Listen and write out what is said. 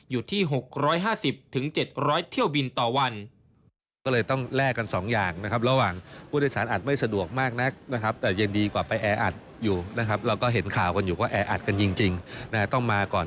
อยู่ที่๖๕๐๗๐๐เที่ยวบินต่อวัน